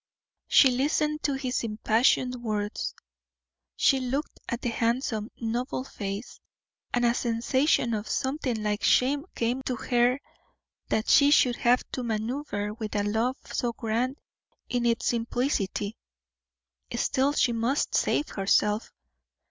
She listened to his impassioned words; she looked at the handsome, noble face, and a sensation of something like shame came to her that she should have to maneuver with a love so grand in its simplicity; still she must save herself.